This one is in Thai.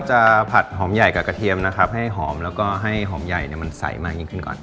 ผัดหอมใหญ่กับกระเทียมนะครับให้หอมแล้วก็ให้หอมใหญ่มันใสมากยิ่งขึ้นก่อน